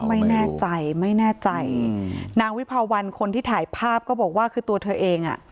ไม่แน่ใจไม่แน่ใจอืมนางวิภาวันคนที่ถ่ายภาพก็บอกว่าคือตัวเธอเองอ่ะ